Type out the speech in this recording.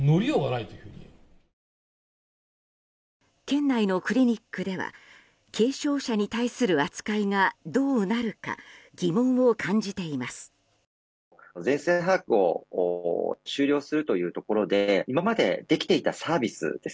県内のクリニックでは軽症者に対する扱いがどうなるか疑問を感じています。